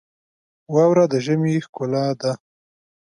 واوره د ژمي ښکلا ده.